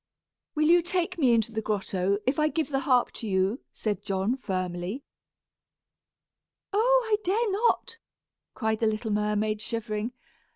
"Will you take me into the grotto, if I give the harp to you?" said John, firmly. "Oh! I dare not," cried the little mermaid, shivering.